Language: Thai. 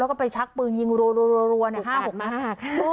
แล้วก็ไปชักปืนยิงรวรวนี่๕๖บาท